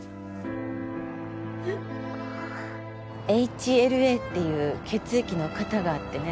ＨＬＡっていう血液の型があってね